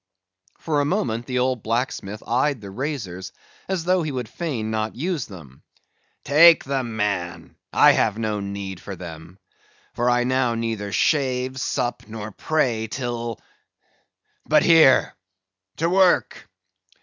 For a moment, the old blacksmith eyed the razors as though he would fain not use them. "Take them, man, I have no need for them; for I now neither shave, sup, nor pray till—but here—to work!"